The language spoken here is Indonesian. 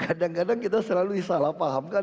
kadang kadang kita selalu salah pahamkan